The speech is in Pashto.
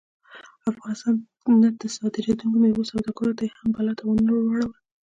او افغانستان نه د صادرېدونکو میوو سوداګرو ته یې هم بلا تاوانونه ور واړول